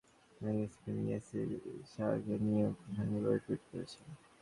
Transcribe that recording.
অশ্বিন কদিন আগে পাকিস্তানের লেগ স্পিনার ইয়াসির শাহকে নিয়েও প্রশংসা করে টুইট করেছেন।